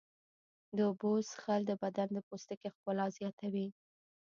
د اوبو څښل د بدن د پوستکي ښکلا زیاتوي.